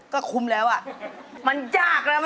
โฮลาเลโฮลาเลโฮลาเล